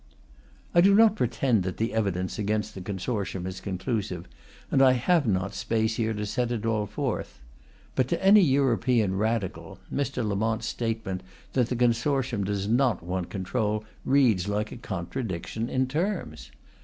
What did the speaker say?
I do not pretend that the evidence against the consortium is conclusive, and I have not space here to set it all forth. But to any European radical Mr. Lamont's statement that the consortium does not want control reads like a contradiction in terms.